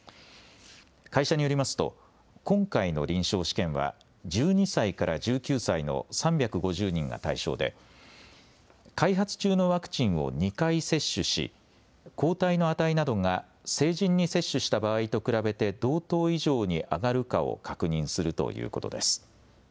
会社によりますと今回の臨床試験は１２歳から１９歳の３５０人が対象で開発中のワクチンを２回接種し抗体の値などが成人に接種した場合と比べて同等以上に上がるかを確認するということです。